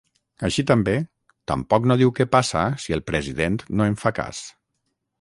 Així també, tampoc no diu què passa si el president no en fa cas.